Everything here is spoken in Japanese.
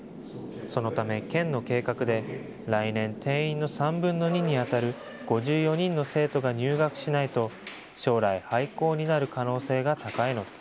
そのため、県の計画で来年、定員の３分の２に当たる５４人の生徒が入学しないと、将来廃校になる可能性が高いのです。